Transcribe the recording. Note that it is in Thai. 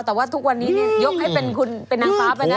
แต่ว่าทุกวันนี้ยกให้เป็นคุณเป็นนางฟ้าไปนะ